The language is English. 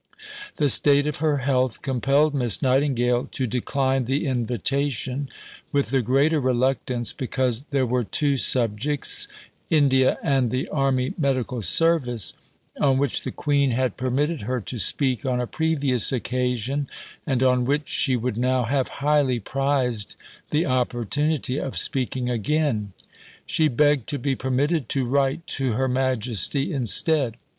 The state of her health compelled Miss Nightingale to decline the invitation; with the greater reluctance because there were two subjects India and the Army Medical Service on which the Queen had permitted her to speak on a previous occasion and on which she would now have highly prized the opportunity of speaking again. She begged to be permitted to write to Her Majesty instead.